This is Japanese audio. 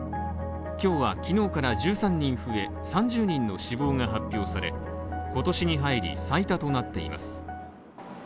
今日は昨日から１３人増え３０人の死亡が発表され今年に入り、最多となっています。